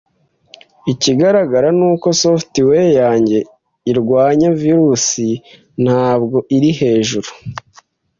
Ikigaragara nuko software yanjye irwanya virusi ntabwo iri hejuru.